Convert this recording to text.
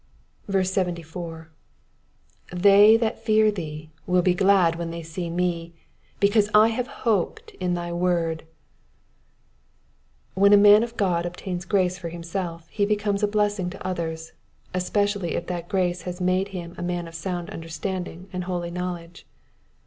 74. ^'''They that fear thee vsiU he glad when they see me: because I hate hoped in thy word,''^ When a man of God obtains grace for himself he becomes a blessing to others, especially if that grace has made him a man of sound understanding and holy knowledge.